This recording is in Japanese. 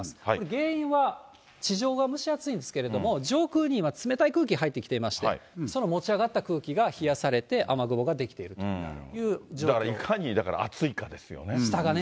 原因は地上は蒸し暑いんですけれども、上空に今、冷たい空気入ってきていまして、その持ち上がった空気が冷やされて、だから、下がね。